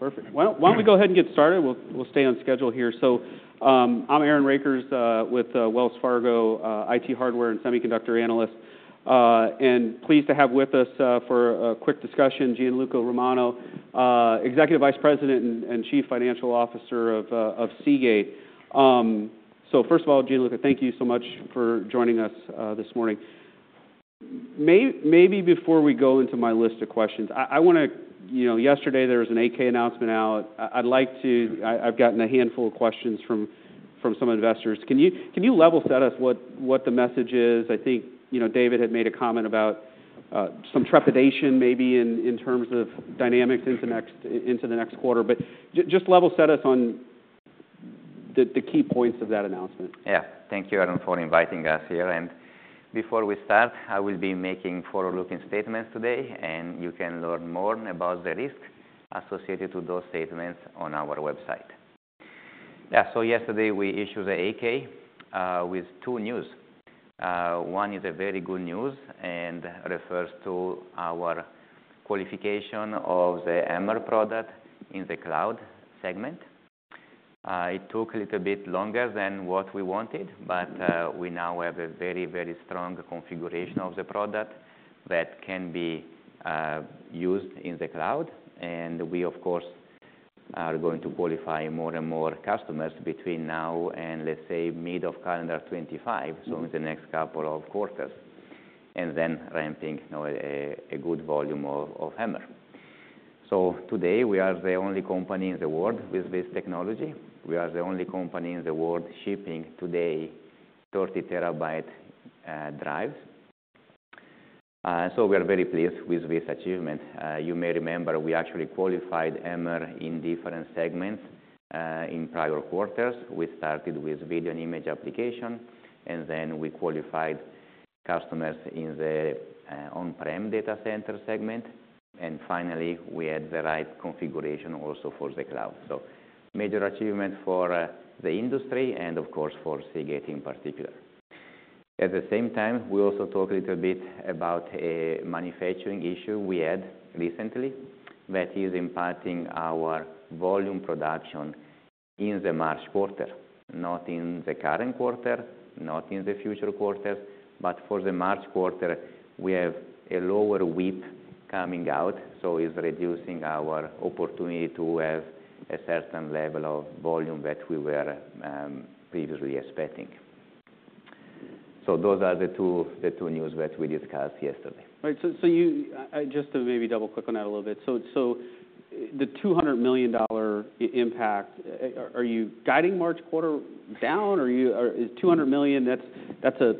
Perfect. Well, why don't we go ahead and get started? We'll stay on schedule here. So I'm Aaron Rakers with Wells Fargo, IT Hardware and Semiconductor Analyst, and pleased to have with us for a quick discussion Gianluca Romano, Executive Vice President and Chief Financial Officer of Seagate. So first of all, Gianluca, thank you so much for joining us this morning. Maybe before we go into my list of questions, I want to. Yesterday there was an 8-K announcement out. I'd like to. I've gotten a handful of questions from some investors. Can you level set us what the message is? I think David had made a comment about some trepidation maybe in terms of dynamics into the next quarter, but just level set us on the key points of that announcement. Yeah. Thank you, Aaron, for inviting us here. And before we start, I will be making forward-looking statements today, and you can learn more about the risk associated with those statements on our website. Yeah. So yesterday we issued the 8-K with two news. One is a very good news and refers to our qualification of the HAMR product in the cloud segment. It took a little bit longer than what we wanted, but we now have a very, very strong configuration of the product that can be used in the cloud. And we, of course, are going to qualify more and more customers between now and, let's say, mid of calendar 2025, so in the next couple of quarters, and then ramping a good volume of HAMR. So today we are the only company in the world with this technology. We are the only company in the world shipping today 30 TB drives, so we are very pleased with this achievement. You may remember we actually qualified HAMR in different segments in prior quarters. We started with video and image application, and then we qualified customers in the on-prem data center segment, and finally, we had the right configuration also for the cloud, so major achievement for the industry and, of course, for Seagate in particular. At the same time, we also talked a little bit about a manufacturing issue we had recently that is impacting our volume production in the March quarter, not in the current quarter, not in the future quarters, but for the March quarter, we have a lower WIP coming out, so it's reducing our opportunity to have a certain level of volume that we were previously expecting. So those are the two news that we discussed yesterday. Right. So just to maybe double-click on that a little bit, so the $200 million impact, are you guiding March quarter down? Is $200 million, that's a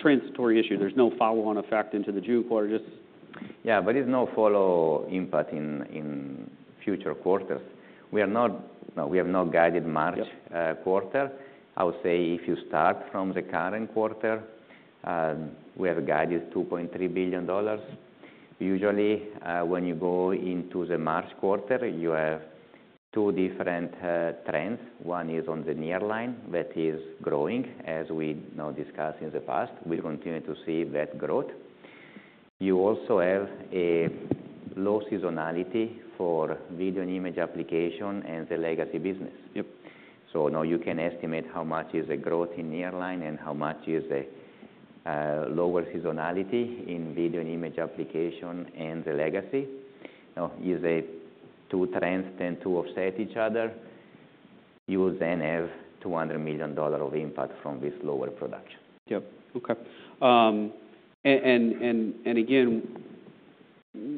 transitory issue. There's no follow-on effect into the June quarter, just. Yeah, but it's no follow-on impact in future quarters. We have not guided March quarter. I would say if you start from the current quarter, we have guided $2.3 billion. Usually, when you go into the March quarter, you have two different trends. One is on the nearline that is growing, as we now discussed in the past. We continue to see that growth. You also have a low seasonality for video and image application and the legacy business. So now you can estimate how much is a growth in nearline and how much is a lower seasonality in video and image application and the legacy. Now, if the two trends tend to offset each other, you will then have $200 million of impact from this lower production. Yep. Okay. And again,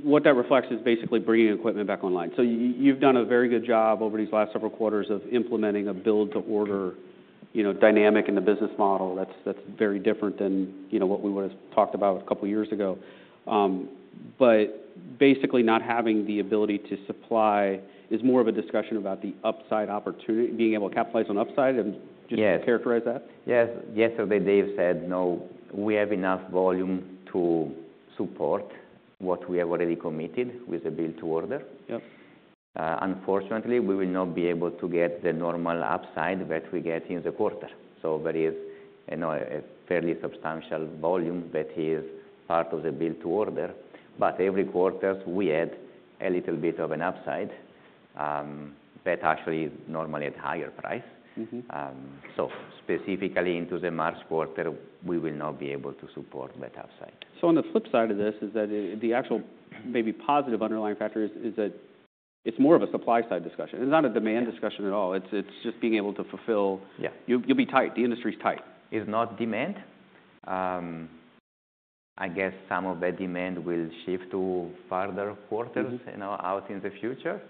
what that reflects is basically bringing equipment back online. So you've done a very good job over these last several quarters of implementing a build-to-order dynamic in the business model. That's very different than what we would have talked about a couple of years ago. But basically not having the ability to supply is more of a discussion about the upside opportunity, being able to capitalize on upside. Just characterize that. Yes. Yesterday Dave said, "No, we have enough volume to support what we have already committed with the build-to-order." Unfortunately, we will not be able to get the normal upside that we get in the quarter. So there is a fairly substantial volume that is part of the build-to-order. But every quarter we had a little bit of an upside that actually normally at higher price. So specifically into the March quarter, we will not be able to support that upside. So, on the flip side of this is that the actual maybe positive underlying factor is that it's more of a supply side discussion. It's not a demand discussion at all. It's just being able to fulfill. You'll be tight. The industry's tight. It's not demand. I guess some of that demand will shift to farther quarters out in the future,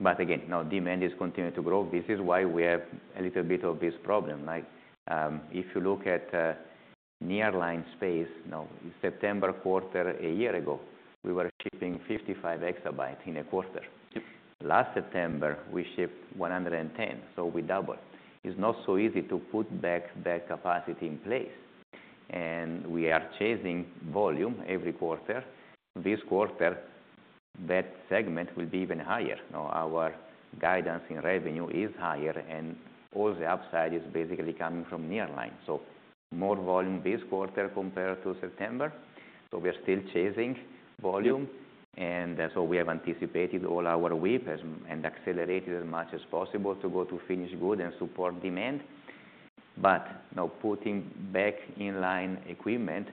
but again, no, demand is continuing to grow. This is why we have a little bit of this problem. If you look at nearline space, September quarter a year ago, we were shipping 55 EB in a quarter. Last September, we shipped 110, so we doubled. It's not so easy to put back that capacity in place, and we are chasing volume every quarter. This quarter, that segment will be even higher. Now, our guidance in revenue is higher, and all the upside is basically coming from nearline, so more volume this quarter compared to September, so we are still chasing volume, and so we have anticipated all our WIP and accelerated as much as possible to go to finished goods and support demand. But now putting back in line equipment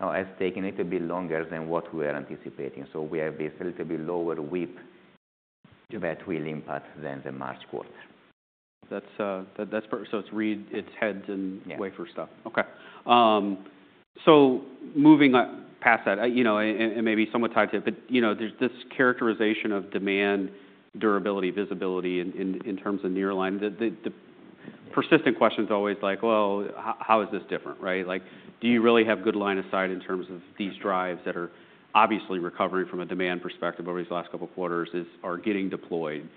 has taken a little bit longer than what we were anticipating. So we have this little bit lower WIP that will impact then the March quarter. That's perfect. So it's read, it's heads, and wafer stuff. Okay. So moving past that, and maybe somewhat tied to it, but this characterization of demand, durability, visibility in terms of nearline, the persistent question is always like, "Well, how is this different?" Right? Do you really have good line of sight in terms of these drives that are obviously recovering from a demand perspective over these last couple of quarters, are getting deployed,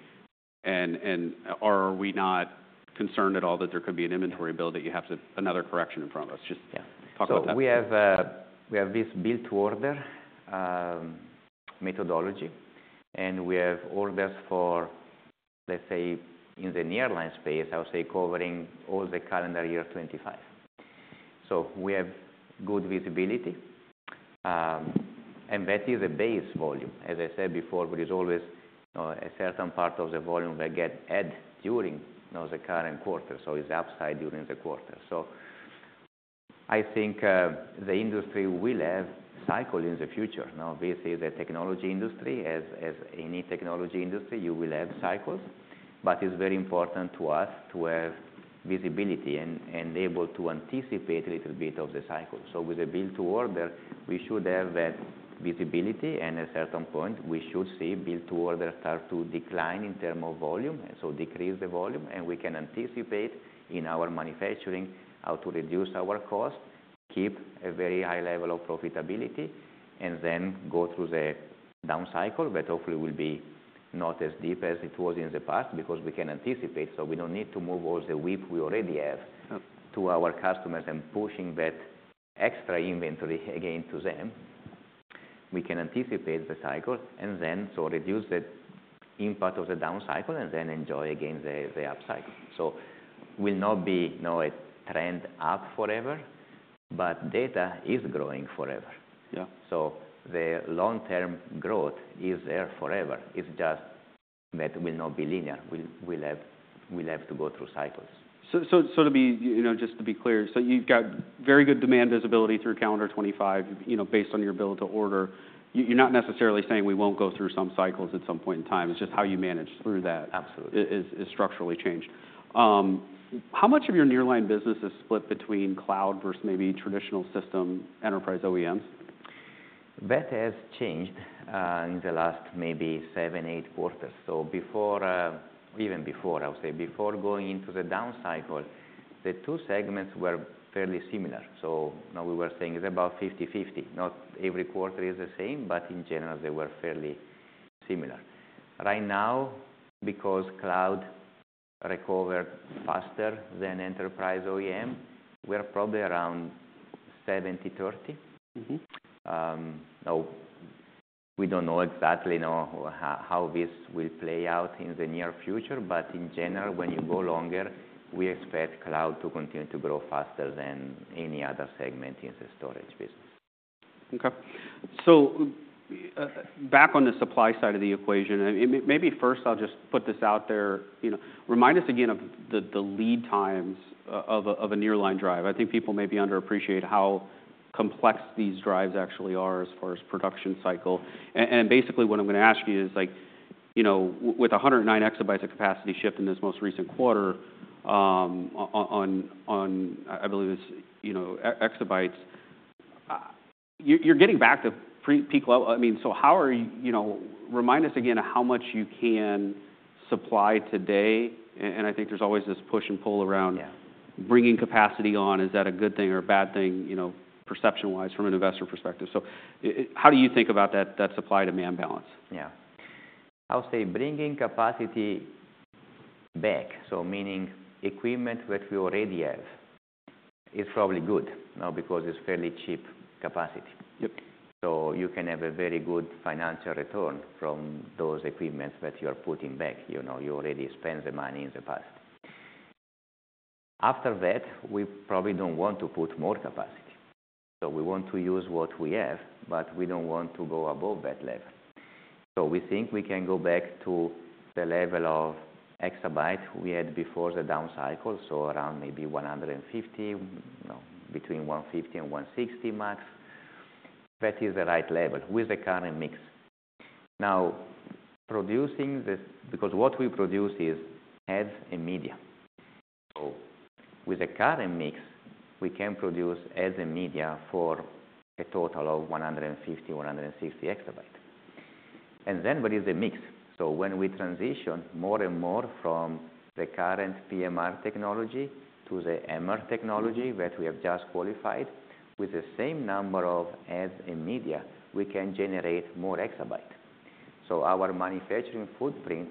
and are we not concerned at all that there could be an inventory build that you have to another correction in front of us? Just talk about that. So we have this build-to-order methodology, and we have orders for, let's say, in the nearline space, I would say covering all the calendar year 2025. So we have good visibility, and that is a base volume. As I said before, there is always a certain part of the volume that gets added during the current quarter. So it's upside during the quarter. So I think the industry will have cycles in the future. Now, this is a technology industry. As any technology industry, you will have cycles. But it's very important to us to have visibility and able to anticipate a little bit of the cycle. So with the build-to-order, we should have that visibility, and at a certain point, we should see build-to-order start to decline in terms of volume, and so decrease the volume. And we can anticipate in our manufacturing how to reduce our cost, keep a very high level of profitability, and then go through the down cycle that hopefully will be not as deep as it was in the past because we can anticipate. So we don't need to move all the WIP we already have to our customers and pushing that extra inventory again to them. We can anticipate the cycle and then reduce the impact of the down cycle and then enjoy again the up cycle. So we'll not be a trend up forever, but data is growing forever. So the long-term growth is there forever. It's just that will not be linear. We'll have to go through cycles. So just to be clear, so you've got very good demand visibility through calendar 2025 based on your build-to-order. You're not necessarily saying we won't go through some cycles at some point in time. It's just how you manage through that is structurally changed. How much of your nearline business is split between cloud versus maybe traditional system enterprise OEMs? That has changed in the last maybe seven, eight quarters. So even before, I would say before going into the down cycle, the two segments were fairly similar. So now we were saying it's about 50/50. Not every quarter is the same, but in general, they were fairly similar. Right now, because cloud recovered faster than enterprise OEM, we're probably around 70/30. Now, we don't know exactly how this will play out in the near future, but in general, when you go longer, we expect cloud to continue to grow faster than any other segment in the storage business. Okay. So back on the supply side of the equation, maybe first I'll just put this out there. Remind us again of the lead times of a nearline drive. I think people maybe underappreciate how complex these drives actually are as far as production cycle. And basically what I'm going to ask you is with 109 EB of capacity shipped in this most recent quarter on, I believe, exabytes, you're getting back to peak level. I mean, so remind us again of how much you can supply today? And I think there's always this push and pull around bringing capacity on. Is that a good thing or a bad thing perception-wise from an investor perspective? So how do you think about that supply-demand balance? Yeah. I would say bringing capacity back, so meaning equipment that we already have, is probably good now because it's fairly cheap capacity. So you can have a very good financial return from those equipments that you are putting back. You already spent the money in the past. After that, we probably don't want to put more capacity. So we want to use what we have, but we don't want to go above that level. So we think we can go back to the level of exabyte we had before the down cycle, so around maybe 150, between 150 and 160 max. That is the right level with the current mix. Now, producing, the because what we produce is as a media. So with the current mix, we can produce as a media for a total of 150 EB, 160 EB. And then what is the mix? When we transition more and more from the current PMR technology to the HAMR technology that we have just qualified with the same number of SMR media, we can generate more exabytes. Our manufacturing footprint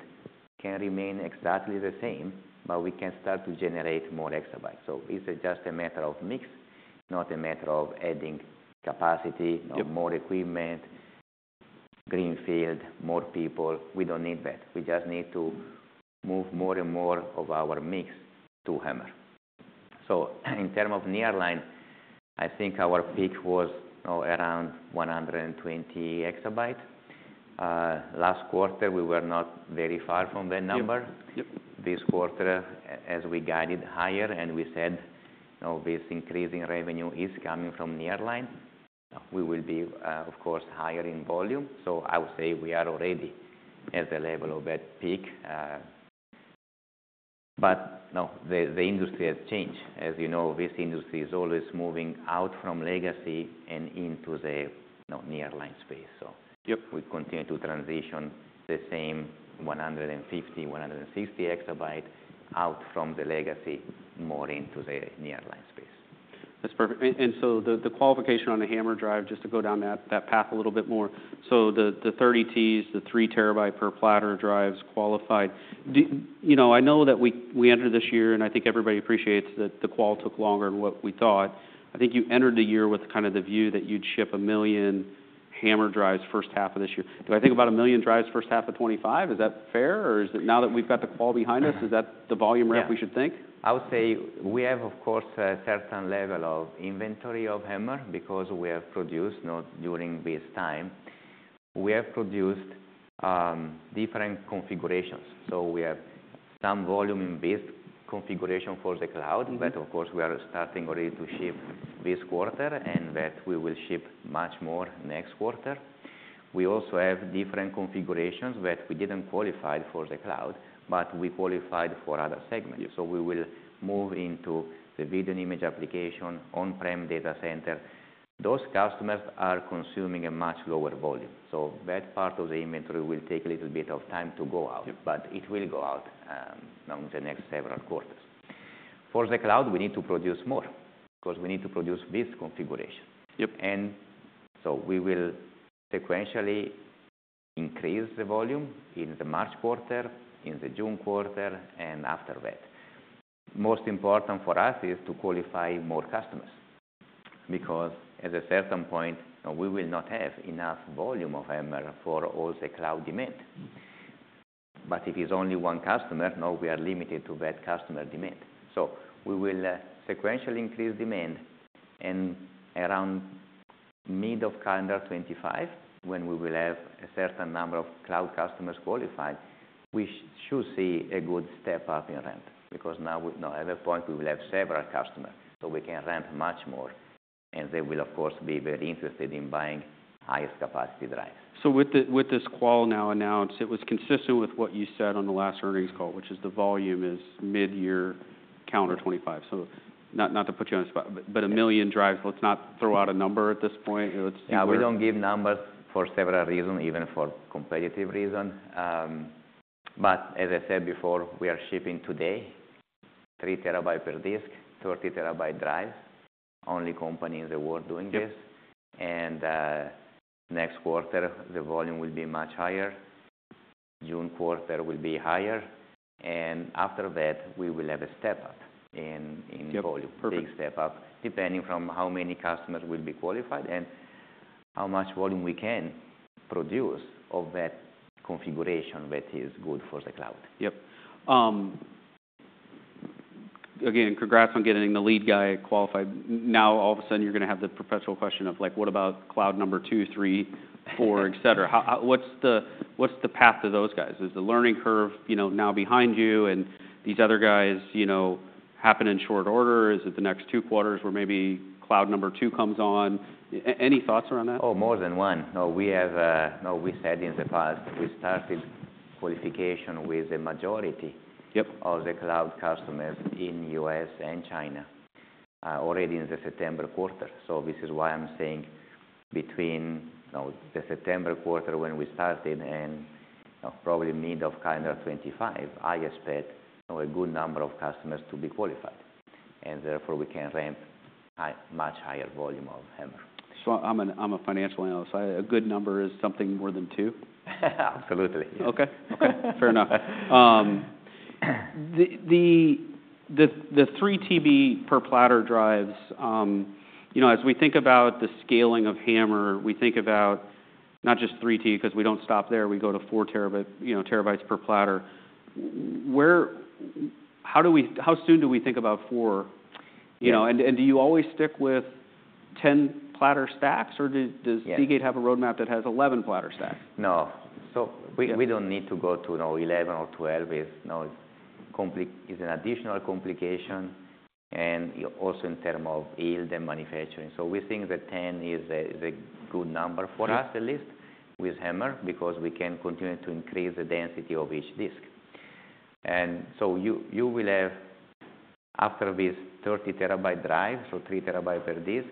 can remain exactly the same, but we can start to generate more exabytes. It's just a matter of mix, not a matter of adding capacity, more equipment, greenfield, more people. We don't need that. We just need to move more and more of our mix to HAMR. In terms of nearline, I think our peak was around 120 EB. Last quarter, we were not very far from that number. This quarter, as we guided higher and we said this increase in revenue is coming from nearline, we will be, of course, higher in volume. I would say we are already at the level of that peak. But now the industry has changed. As you know, this industry is always moving out from legacy and into the nearline space. So we continue to transition the same 150 EB-160 EB out from the legacy, more into the nearline space. That's perfect. The qualification on the HAMR drive, just to go down that path a little bit more. The 30 TBs, the 3 TB per platter drives qualified. I know that we entered this year, and I think everybody appreciates that the call took longer than what we thought. I think you entered the year with kind of the view that you'd ship a million HAMR drives first half of this year. Should I think about a million drives first half of 2025? Is that fair? Or is it now that we've got the call behind us, is that the volume ramp we should think? Yeah. I would say we have, of course, a certain level of inventory of HAMR because we have produced during this time. We have produced different configurations. So we have some volume in this configuration for the cloud, but of course, we are starting already to ship this quarter, and that we will ship much more next quarter. We also have different configurations that we didn't qualify for the cloud, but we qualified for other segments. So we will move into the video and image application, on-prem data center. Those customers are consuming a much lower volume. So that part of the inventory will take a little bit of time to go out, but it will go out along the next several quarters. For the cloud, we need to produce more because we need to produce this configuration. And so we will sequentially increase the volume in the March quarter, in the June quarter, and after that. Most important for us is to qualify more customers because at a certain point, we will not have enough volume of HAMR for all the cloud demand. But if it's only one customer, now we are limited to that customer demand. So we will sequentially increase demand. And around mid of calendar 2025, when we will have a certain number of cloud customers qualified, we should see a good step up in ramp because now at a point we will have several customers. So we can ramp much more, and they will, of course, be very interested in buying highest capacity drives. So with this call now announced, it was consistent with what you said on the last earnings call, which is the volume is mid-year calendar 2025. So not to put you on the spot, but a million drives, let's not throw out a number at this point. Yeah. We don't give numbers for several reasons, even for competitive reasons, but as I said before, we are shipping today 3 TB per disk, 30 TB drives. Only company in the world doing this, and next quarter, the volume will be much higher. June quarter will be higher, and after that, we will have a step up in volume, big step up, depending from how many customers will be qualified and how much volume we can produce of that configuration that is good for the cloud. Yep. Again, congrats on getting the lead guy qualified. Now, all of a sudden, you're going to have the perpetual question of what about cloud number two, three, four, etc.? What's the path to those guys? Is the learning curve now behind you and these other guys happen in short order? Is it the next two quarters where maybe cloud number two comes on? Any thoughts around that? Oh, more than one. Now, we said in the past, we started qualification with the majority of the cloud customers in the U.S. and China already in the September quarter. So this is why I'm saying between the September quarter when we started and probably mid of calendar 2025, I expect a good number of customers to be qualified. And therefore, we can ramp much higher volume of HAMR. I'm a financial analyst. A good number is something more than two? Absolutely. Okay. Okay. Fair enough. The 3 TB per platter drives, as we think about the scaling of HAMR, we think about not just 3TB because we don't stop there. We go to 4 TB per platter. How soon do we think about 4? And do you always stick with 10 platter stacks, or does Seagate have a roadmap that has 11 platter stacks? No. So we don't need to go to 11 or 12. It's an additional complication and also in terms of yield and manufacturing. So we think that 10 is a good number for us at least with HAMR because we can continue to increase the density of each disk. And so you will have, after this 30 TB drive, so 3 TB per disk,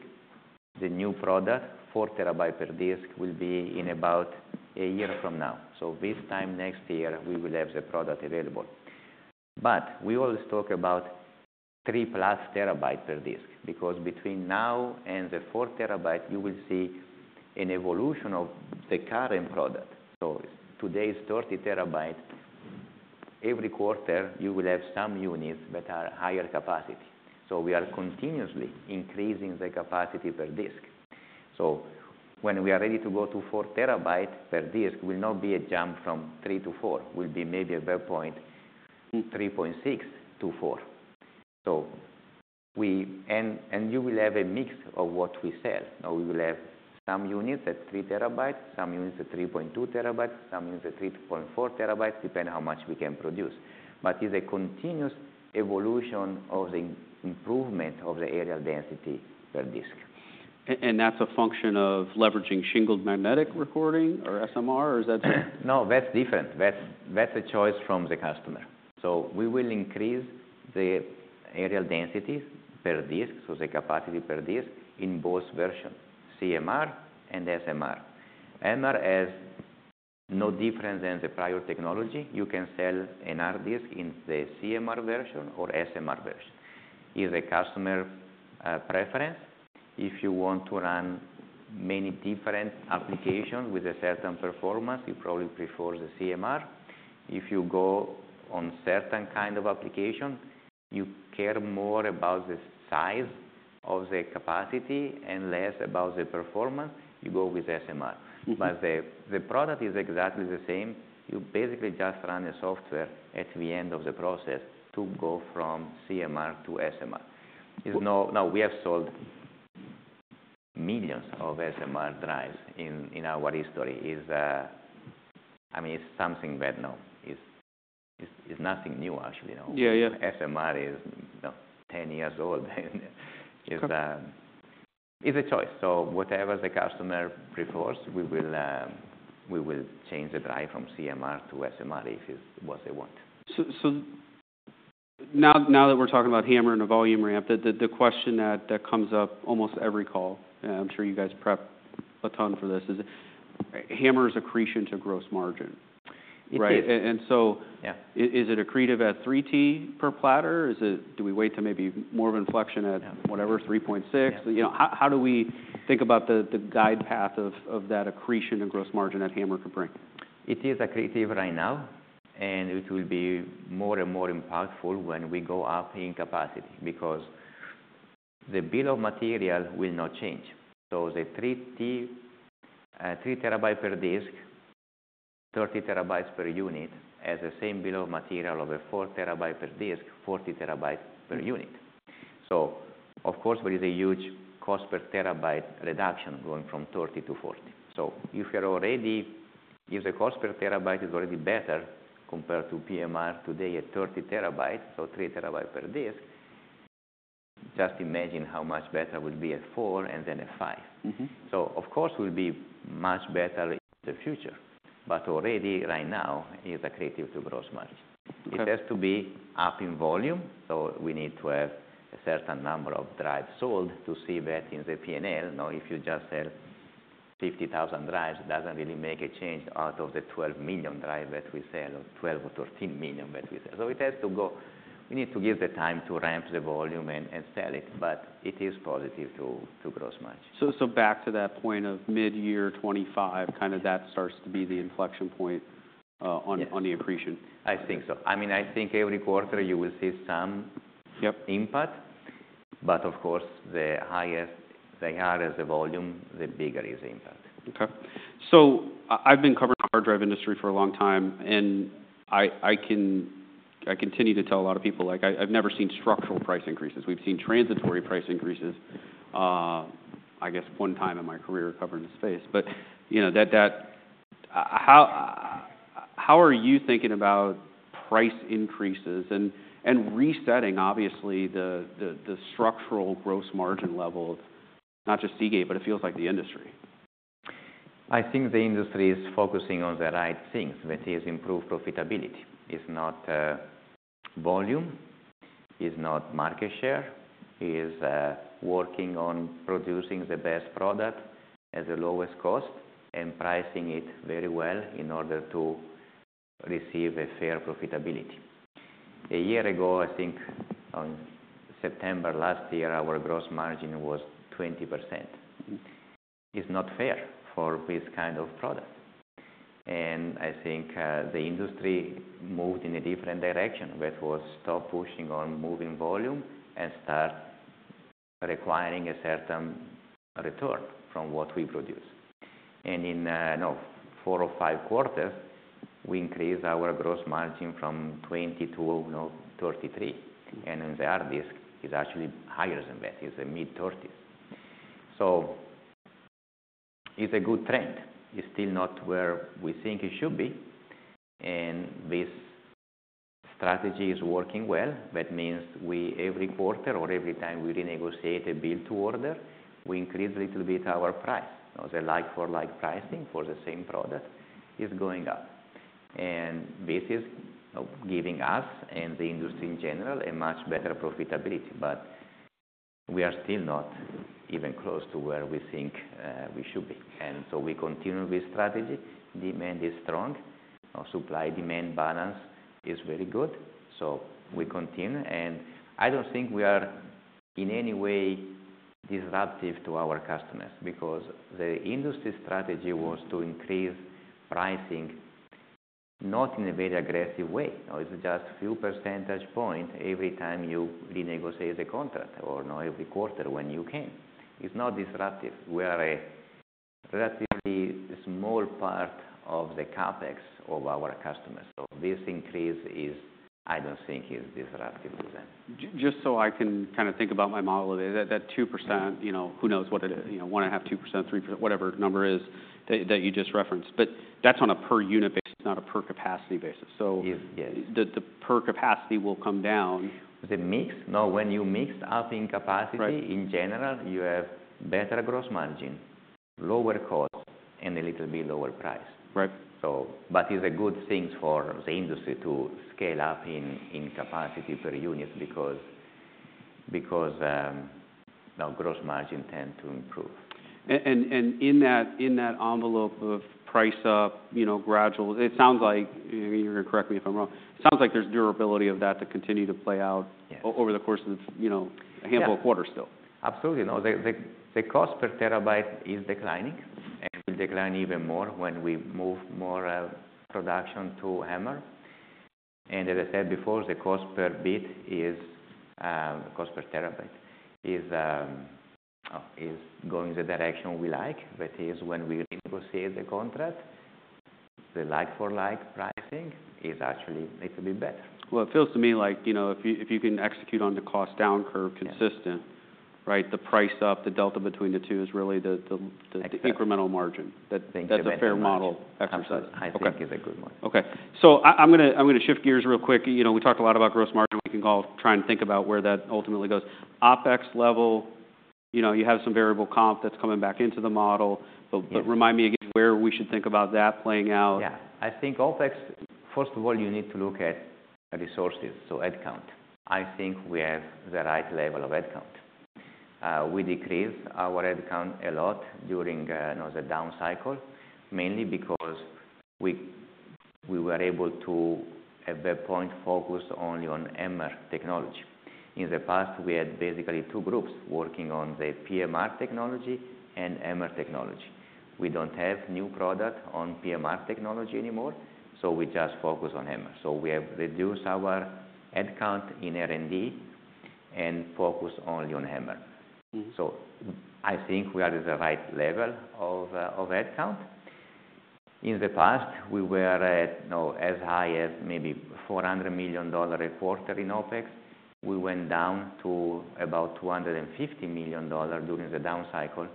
the new product, 4 TB per disk will be in about a year from now. So this time next year, we will have the product available. But we always talk about 3+ TB per disk because between now and the 4 TB, you will see an evolution of the current product. So today's 30 TB, every quarter, you will have some units that are higher capacity. So we are continuously increasing the capacity per disk. So, when we are ready to go to 4 TB per disk, it will not be a jump from 3-4. It will be maybe at that point 3.6-4, and you will have a mix of what we sell. Now, we will have some units at 3 TB, some units at 3.2 TB, some units at 3.4 TB, depending on how much we can produce, but it's a continuous evolution of the improvement of the areal density per disk. That's a function of leveraging shingled magnetic recording or SMR, or is that? No, that's different. That's a choice from the customer. So we will increase the areal densities per disk, so the capacity per disk in both versions, CMR and SMR. HAMR has no difference than the prior technology. You can sell HAMR disk in the CMR version or SMR version. It's a customer preference. If you want to run many different applications with a certain performance, you probably prefer the CMR. If you go on certain kind of application, you care more about the size of the capacity and less about the performance, you go with SMR. But the product is exactly the same. You basically just run a software at the end of the process to go from CMR to SMR. Now, we have sold millions of SMR drives in our history. I mean, it's something that now is nothing new, actually. SMR is 10 years old. It's a choice. So whatever the customer prefers, we will change the drive from CMR to SMR if it's what they want. So now that we're talking about HAMR and a volume ramp, the question that comes up almost every call, and I'm sure you guys prep a ton for this, is HAMR's accretion to gross margin. And so is it accretive at 3T per platter? Do we wait to maybe more of an inflection at whatever, 3.6? How do we think about the guide path of that accretion and gross margin that HAMR could bring? It is accretive right now, and it will be more and more impactful when we go up in capacity because the bill of material will not change so the 3T, 3 TB per disk, 30 TB per unit, has the same bill of material of a 4 TB per disk, 40 TB per unit so of course, there is a huge cost per terabyte reduction going from 30 to 40 so if you're already, the cost per terabyte is already better compared to PMR today at 30 TB so 3 TB per disk, just imagine how much better would be at four and then at five so of course, it will be much better in the future, but already right now, it is accretive to gross margin. It has to be up in volume. So we need to have a certain number of drives sold to see that in the P&L. Now, if you just sell 50,000 drives, it doesn't really make a change out of the 12 million drives that we sell or 12 or 13 million that we sell. So it has to go, we need to give the time to ramp the volume and sell it, but it is positive to gross margin. So back to that point of mid-year 2025, kind of that starts to be the inflection point on the accretion. I think so. I mean, I think every quarter you will see some impact. But of course, the higher the volume, the bigger is the impact. Okay. So I've been covering the hard drive industry for a long time, and I continue to tell a lot of people, I've never seen structural price increases. We've seen transitory price increases, I guess one time in my career covering the space. But how are you thinking about price increases and resetting, obviously, the structural gross margin level of not just Seagate, but it feels like the industry? I think the industry is focusing on the right things, which is improved profitability. It's not volume. It's not market share. It's working on producing the best product at the lowest cost and pricing it very well in order to receive a fair profitability. A year ago, I think on September last year, our gross margin was 20%. It's not fair for this kind of product, and I think the industry moved in a different direction, which was stop pushing on moving volume and start requiring a certain return from what we produce, and in four or five quarters, we increased our gross margin from 20% to 33%. And in the nearline disk, it's actually higher than that, it's a mid-30s%. So it's a good trend. It's still not where we think it should be, and this strategy is working well. That means every quarter or every time we renegotiate a build-to-order, we increase a little bit our price. Now, the like-for-like pricing for the same product is going up, and this is giving us and the industry in general a much better profitability, but we are still not even close to where we think we should be, and so we continue with strategy. Demand is strong. Supply-demand balance is very good, so we continue, and I don't think we are in any way disruptive to our customers because the industry strategy was to increase pricing, not in a very aggressive way. It's just a few percentage points every time you renegotiate the contract or every quarter when you can. It's not disruptive. We are a relatively small part of the CapEx of our customers, so this increase, I don't think, is disruptive to them. Just so I can kind of think about my model a bit, that 2%, who knows what it is, 1.5%, 2%, 3%, whatever number is that you just referenced. But that's on a per unit basis, not a per capacity basis. So the per capacity will come down. The mix? Now, when you mix up in capacity, in general, you have better gross margin, lower cost, and a little bit lower price. But it's a good thing for the industry to scale up in capacity per unit because gross margin tends to improve. In that envelope of price up, gradual, it sounds like you're going to correct me if I'm wrong. It sounds like there's durability of that to continue to play out over the course of a handful of quarters still. Absolutely. The cost per terabyte is declining and will decline even more when we move more production to HAMR. And as I said before, the cost per terabyte is going the direction we like, which is when we renegotiate the contract, the like-for-like pricing is actually a little bit better. It feels to me like if you can execute on the cost down curve consistent, right, the price up, the delta between the two is really the incremental margin. That's a fair model exercise. I think it's a good one. Okay, so I'm going to shift gears real quick. We talked a lot about gross margin. We can all try and think about where that ultimately goes. OpEx level, you have some variable comp that's coming back into the model, but remind me again where we should think about that playing out. Yeah. I think OpEx, first of all, you need to look at resources, so headcount. I think we have the right level of headcount. We decreased our headcount a lot during the down cycle, mainly because we were able to at that point focus only on HAMR technology. In the past, we had basically two groups working on the PMR technology and HAMR technology. We don't have new product on PMR technology anymore, so we just focus on HAMR. So we have reduced our headcount in R&D and focused only on HAMR. So I think we are at the right level of headcount. In the past, we were as high as maybe $400 million a quarter in OpEx. We went down to about $250 million during the down cycle.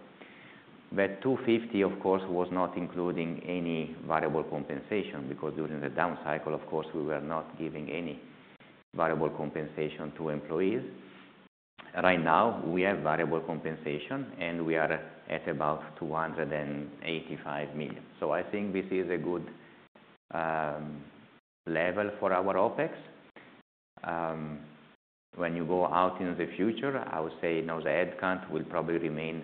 $250 million, of course, was not including any variable compensation because during the down cycle, of course, we were not giving any variable compensation to employees. Right now, we have variable compensation, and we are at about $285 million. So I think this is a good level for our OpEx. When you go out into the future, I would say now the headcount will probably remain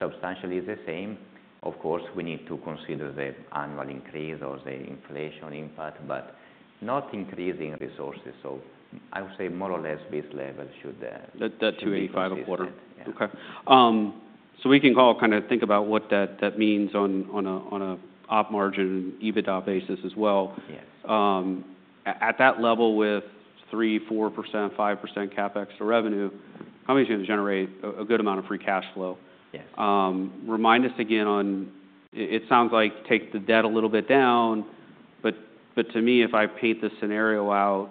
substantially the same. Of course, we need to consider the annual increase or the inflation impact, but not increasing resources. So I would say more or less this level should. That $285 million a quarter. Okay. So we can kind of think about what that means on an op margin and EBITDA basis as well. At that level with 3%-5% CapEx to revenue, I'm going to generate a good amount of free cash flow. Remind us again on it. Sounds like take the debt a little bit down, but to me, if I paint the scenario out,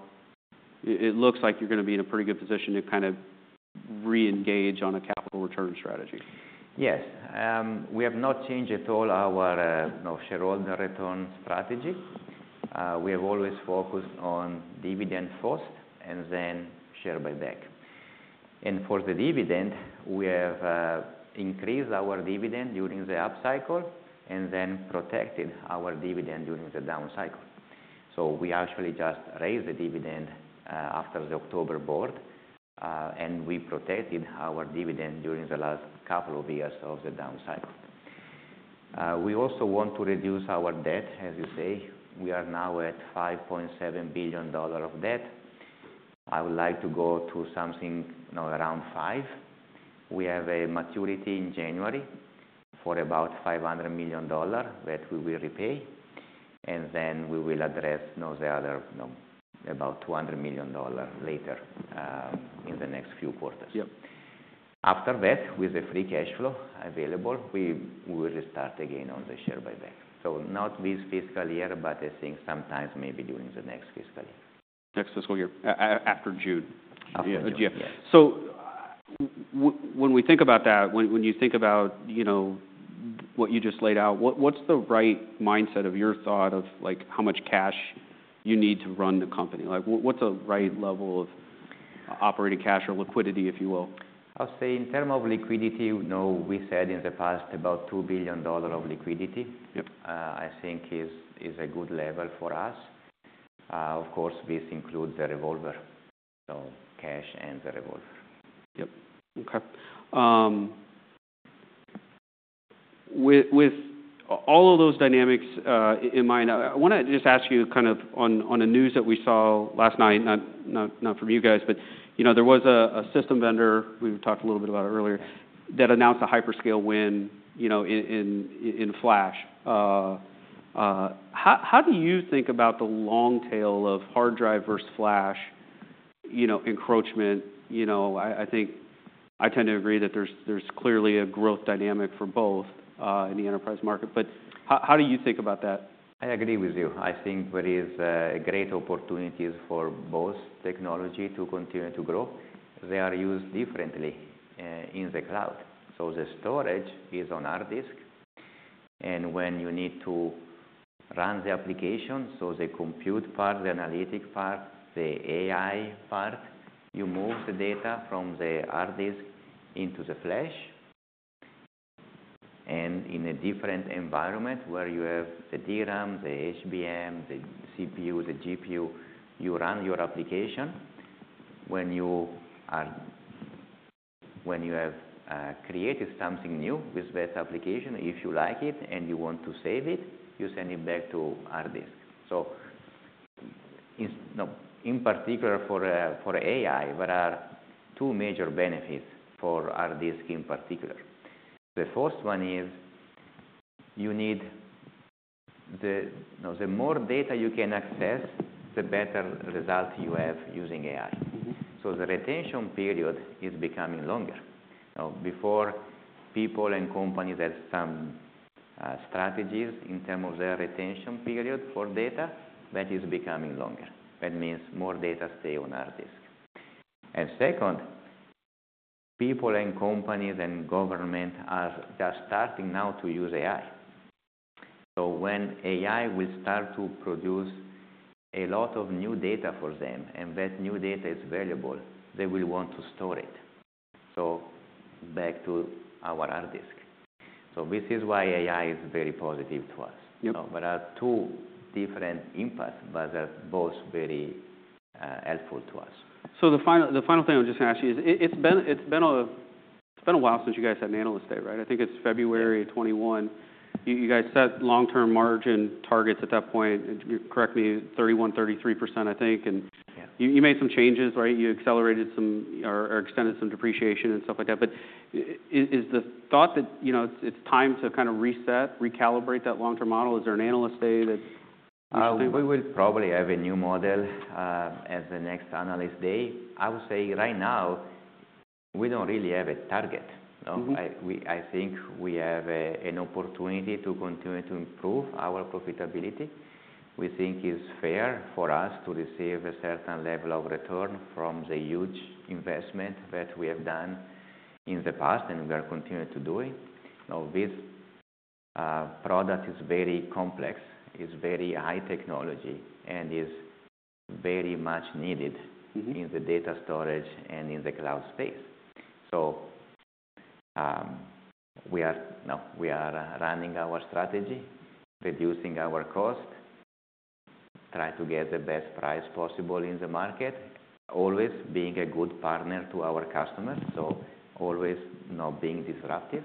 it looks like you're going to be in a pretty good position to kind of re-engage on a capital return strategy. Yes. We have not changed at all our shareholder return strategy. We have always focused on dividend first and then share buyback. For the dividend, we have increased our dividend during the up cycle and then protected our dividend during the down cycle, so we actually just raised the dividend after the October board, and we protected our dividend during the last couple of years of the down cycle. We also want to reduce our debt, as you say. We are now at $5.7 billion of debt. I would like to go to something around 5. We have a maturity in January for about $500 million that we will repay, and then we will address the other about $200 million later in the next few quarters. After that, with the free cash flow available, we will restart again on the share buyback. So not this fiscal year, but I think sometimes maybe during the next fiscal year. Next fiscal year, after June. So when we think about that, when you think about what you just laid out, what's the right mindset of your thought of how much cash you need to run the company? What's a right level of operating cash or liquidity, if you will? I'll say in terms of liquidity, we said in the past about $2 billion of liquidity, I think, is a good level for us. Of course, this includes the revolver, so cash and the revolver. Yep. Okay. With all of those dynamics in mind, I want to just ask you kind of on a news that we saw last night, not from you guys, but there was a system vendor we talked a little bit about earlier that announced a hyperscale win in flash. How do you think about the long tail of hard drive versus flash encroachment? I think I tend to agree that there's clearly a growth dynamic for both in the enterprise market. But how do you think about that? I agree with you. I think there are great opportunities for both technologies to continue to grow. They are used differently in the cloud. So the storage is on hard disk. And when you need to run the application, so the compute part, the analytic part, the AI part, you move the data from the hard disk into the flash. And in a different environment where you have the DRAM, the HBM, the CPU, the GPU, you run your application. When you have created something new with that application, if you like it and you want to save it, you send it back to hard disk. So in particular, for AI, there are two major benefits for hard disk in particular. The first one is you need the more data you can access, the better result you have using AI. So the retention period is becoming longer. Now, before, people and companies had some strategies in terms of their retention period for data, but it's becoming longer. That means more data stays on hard disk, and second, people and companies and government are just starting now to use AI, so when AI will start to produce a lot of new data for them and that new data is valuable, they will want to store it, so back to our hard disk, so this is why AI is very positive to us. There are two different impacts, but they're both very helpful to us. So the final thing I'm just going to ask you is it's been a while since you guys had an Analyst Day, right? I think it's February 2021. You guys set long-term margin targets at that point, correct me, 31%-33%, I think. And you made some changes, right? You accelerated some or extended some depreciation and stuff like that. But is the thought that it's time to kind of reset, recalibrate that long-term model? Is there an Analyst Day that you think? We will probably have a new model as the next Analyst Day. I would say right now, we don't really have a target. I think we have an opportunity to continue to improve our profitability. We think it's fair for us to receive a certain level of return from the huge investment that we have done in the past and we are continuing to do it. Now, this product is very complex. It's very high technology and is very much needed in the data storage and in the cloud space. So we are running our strategy, reducing our cost, trying to get the best price possible in the market, always being a good partner to our customers, so always not being disruptive.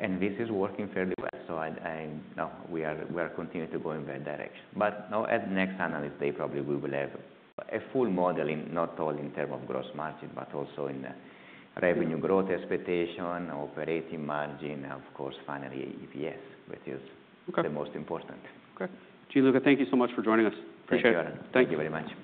And this is working fairly well. So we are continuing to go in that direction. But now, at next Analyst Day, probably we will have a full modeling, not only in terms of gross margin, but also in revenue growth expectation, operating margin, and of course, finally, EPS, which is the most important. Okay. Gianluca, thank you so much for joining us. Appreciate it. Thank you very much. Perfect. Thank you.